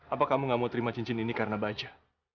apa kamu gak mau terima cincin ini karena baja